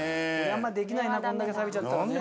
できないなこんだけサビちゃったらね。